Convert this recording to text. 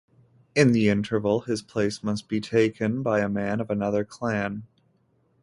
In the interval, his place must be taken by a man of another clan.